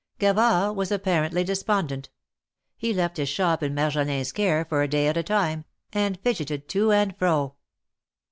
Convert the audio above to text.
Gavard was apparently despondent. He left his shop in Marjolin's care, for a day at a time, and fidgeted to and fro.